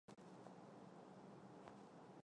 尾柄处在纵带上方形成一黄色斑。